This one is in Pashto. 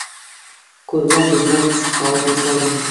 کوربه د زړه د سخاوت مثال وي.